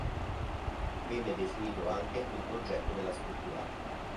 Venne definito anche un progetto della struttura.